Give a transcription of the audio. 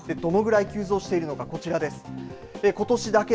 どのぐらい急増しているのかこちらです。